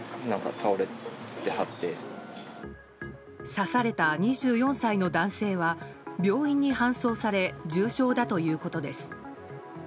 刺された２４歳の男性は病院に搬送され重傷だということです。